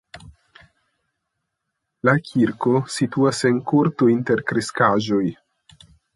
La kirko situas en korto inter kreskaĵoj.